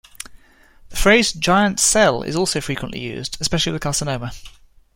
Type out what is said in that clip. The phrase giant cell is also frequently used, especially with carcinoma.